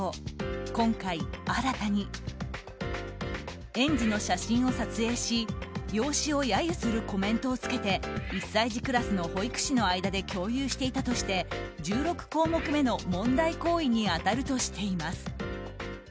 今回新たに園児の写真を撮影し容姿を揶揄するコメントをつけて１歳児クラスの保育士の間で共有していたとして１６項目目の問題行為に当たるとしています。